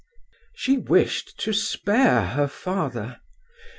She wished to spare her father.